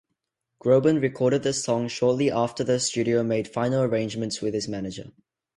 Groban recorded the song shortly after the studio made final arrangements with his manager.